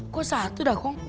kok satu dah kong